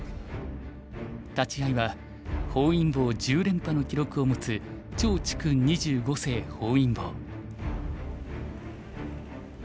立会いは本因坊１０連覇の記録を持つ趙治勲二十五世本因坊。